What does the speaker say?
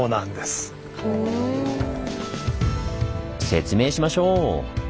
説明しましょう！